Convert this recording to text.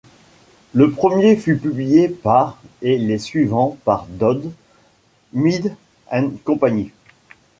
Le premier fut publié par et les suivants par Dodd, Mead and Company.